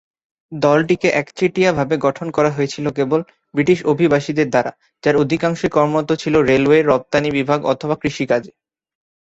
দলটিকে একচেটিয়াভাবে গঠন করা হয়েছিল কেবল ব্রিটিশ অভিবাসীদের দ্বারা, যার অধিকাংশই কর্মরত ছিল রেলওয়ে, রপ্তানি বিভাগ অথবা কৃষি কাজে।